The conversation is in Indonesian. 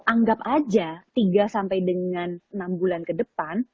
anggap aja tiga sampai dengan enam bulan ke depan